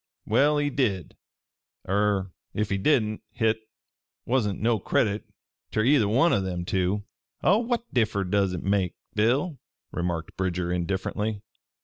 Well, he did er ef he didn't hit wasn't no credit ter either one o' them two." "What differ does hit make, Bill?" remarked Bridger indifferently.